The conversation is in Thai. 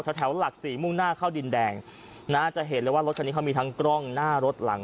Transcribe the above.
แถวหลักสี่มุ่งหน้าเข้าดินแดงนะจะเห็นเลยว่ารถคันนี้เขามีทั้งกล้องหน้ารถหลัง